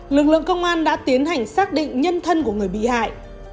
lực lượng công an đã tiến hành xác định nhân thân của người bị hại